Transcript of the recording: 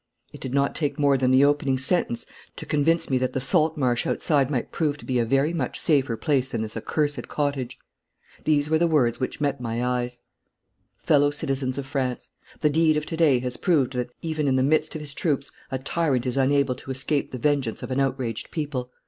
It did not take more than the opening sentence to convince me that the salt marsh outside might prove to be a very much safer place than this accursed cottage. These were the words which met my eyes: 'Fellow citizens of France. The deed of to day has proved that, even in the midst of his troops, a tyrant is unable to escape the vengeance of an outraged people.